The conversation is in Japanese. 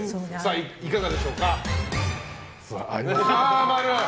いかがでしょうか？